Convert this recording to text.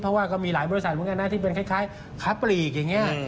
เพราะว่าก็มีหลายบริษัทเหมือนกันนะที่เป็นคล้ายค้าปลีกอย่างนี้